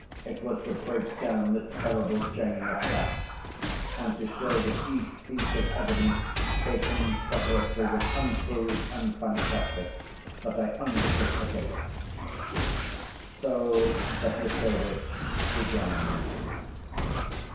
It was to break down this terrible chain of facts, and to show that each piece of evidence taken separately was unproved and fantastic, that I undertook the case." So Fetyukovitch began.